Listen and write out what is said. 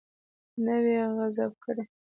نه وي غصب کړی.